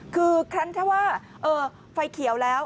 คือครั้งถ้าว่าเออไฟเขียวแล้ว